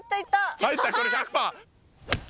入ったこれ１００％。